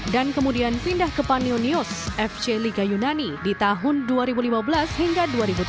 dan kemudian pindah ke panionios fc liga yunani di tahun dua ribu lima belas hingga dua ribu tujuh belas